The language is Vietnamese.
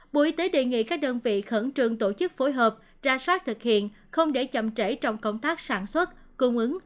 bộ y tế đề nghị các đơn vị khẩn trương tổ chức phối hợp ra soát thực hiện không để chậm trễ trong công tác sản xuất cung ứng